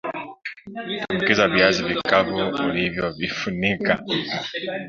Tumbukiza viazi vikavu ulivyovifunika